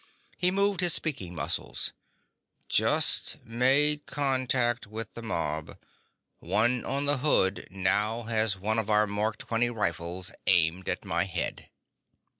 He moved his speaking muscles: _"Just made contact with the mob. One on the hood now has one of our Mark XX rifles aimed at my head."